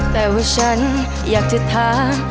แต่ว่าฉันอยากที่ล้าง